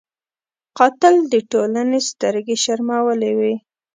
قاتل د ټولنې سترګې شرمولی وي